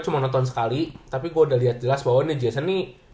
gue cuma nonton sekali tapi gue udah liat jelas bahwa ini jason nih